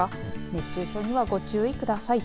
熱中症には、ご注意ください。